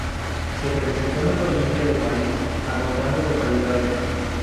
Se presentó en el Olympia de Paris agotando localidades.